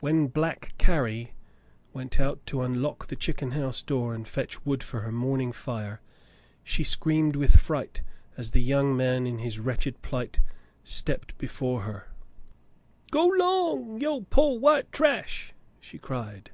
When Black Carrie went out to unlock the chicken house door and fetch wood for her morning fire, she screamed with fright as the young man in his wretched plight stepped before her. "G'long, yo — pore white trash!" she cried.